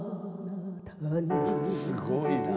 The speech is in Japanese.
「すごいな。